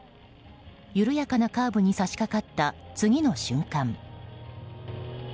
緩やかなカーブに差し掛かった次の瞬間。